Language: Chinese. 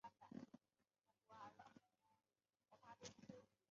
乾隆三十一年进士。